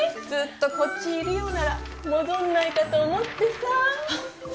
ずっとこっちいるようなら戻んないかと思ってさ